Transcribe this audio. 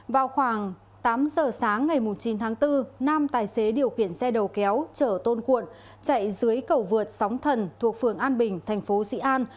vào khoảng tám giờ sáng ngày chín tháng bốn năm tài xế điều kiện xe đầu kéo chở tôn cuộn chạy dưới cầu vượt sóng thần thuộc phường an bình tp xị an